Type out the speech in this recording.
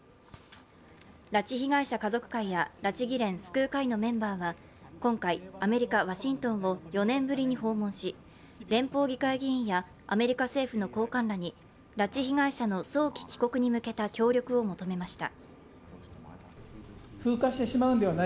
拉致被害者家族会や、拉致議連・救う会のメンバーは、今回、アメリカ・ワシントンを４年ぶりに訪問し連邦議会議員やアメリカ政府の高官らに拉致被害者の早期帰国に向けた協力を求めました。